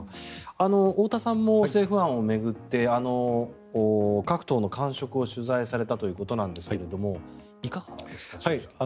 太田さんも政府案を巡って各党の感触を取材されたということなんですがいかがでしたか。